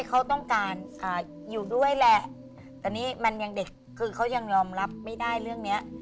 เขาต้องการอยู่ด้วยแหละแต่นี่มันยังเด็กคือเขายังยอมรับไม่ได้เรื่องเนี้ย